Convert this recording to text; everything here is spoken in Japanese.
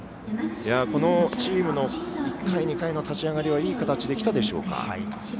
このチームの１回、２回の立ち上がりはいい形で来たでしょうか。